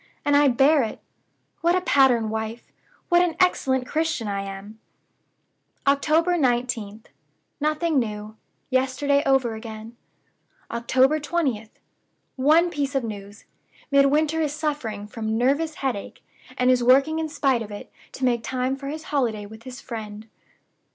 And I bear it! What a pattern wife, what an excellent Christian I am!" "October 19th. Nothing new. Yesterday over again." "October 20th. One piece of news. Midwinter is suffering from nervous headache; and is working in spite of it, to make time for his holiday with his friend."